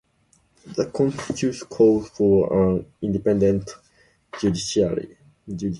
The constitution calls for an independent judiciary.